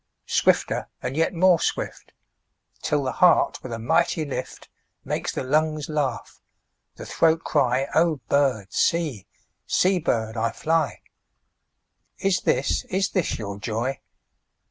Swifter and yet more swift, 5 Till the heart with a mighty lift Makes the lungs laugh, the throat cry:— 'O bird, see; see, bird, I fly. 'Is this, is this your joy?